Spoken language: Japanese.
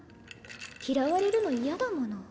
嫌われるの嫌だもの。